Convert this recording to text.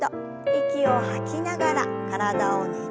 息を吐きながら体をねじって。